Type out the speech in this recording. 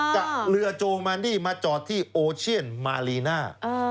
จากเรือโจมานี่มาจอดที่โอเชียนมาลีน่า